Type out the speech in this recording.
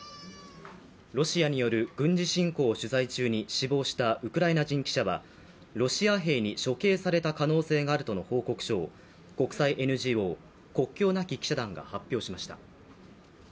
ロシアによる軍事侵攻を取材中に死亡したウクライナ人記者は、ロシア兵に処刑された可能性があるとの報告書を国際ＮＧＯ、国境なき記者団が発表しました。